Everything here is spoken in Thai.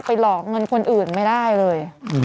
หลอกเงินคนอื่นไม่ได้เลย